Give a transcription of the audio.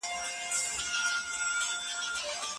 هغې د استراحت حق خپل کړی دی.